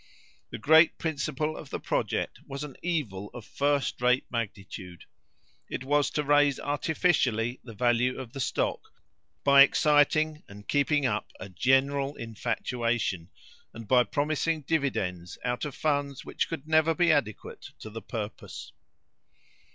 The great principle of the project was an evil of first rate magnitude; it was to raise artificially the value of the stock, by exciting and keeping up a general infatuation, and by promising dividends out of funds which could never be adequate to the purpose."